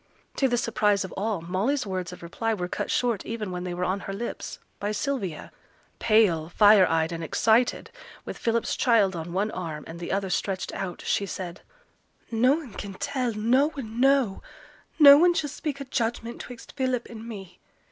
To the surprise of all, Molly's words of reply were cut short even when they were on her lips, by Sylvia. Pale, fire eyed, and excited, with Philip's child on one arm, and the other stretched out, she said, 'Noane can tell noane know. No one shall speak a judgment 'twixt Philip and me.